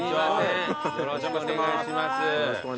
よろしくお願いします。